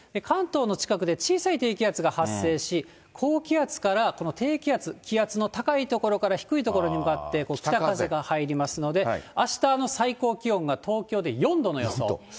関東の近くで小さい低気圧が発生し、高気圧から、この低気圧、気圧の高い所から低い所に向かって北風が入りますので、あしたの最高気温が東京で４度の予想。